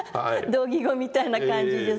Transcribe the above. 同義語みたいな感じで。